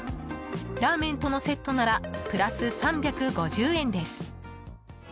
ラーメンとのセットならプラス３５０円です。